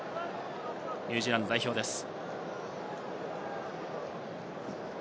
ニュージーランド代表です。